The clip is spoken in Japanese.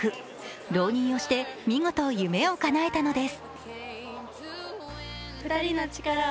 浪人をして見事、夢をかなえたのです。